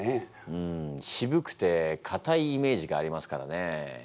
うんしぶくてかたいイメージがありますからね。